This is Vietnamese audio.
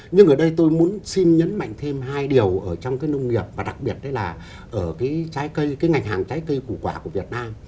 nhưng ở đây tôi muốn xin nhấn mạnh thêm hai điều ở trong cái nông nghiệp và đặc biệt đấy là ở cái trái cây cái ngành hàng trái cây củ quả của việt nam